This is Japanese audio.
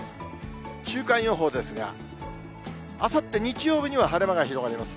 週間予報ですが、あさって日曜日には晴れ間が広がります。